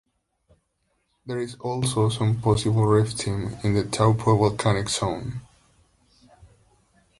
There is also some possible rifting in the Taupo Volcanic Zone.